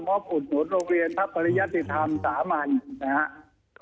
อบอุดหนุนโรงเรียนทัพปริยติธรรมสามัญนะครับ